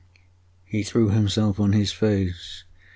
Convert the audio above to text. He threw himself on his face.